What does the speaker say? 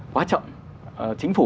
quá trọng chính phủ